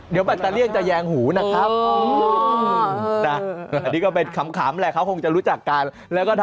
เดี๋ยวแบตเตอรี่ยนจะแยงหูนะครับ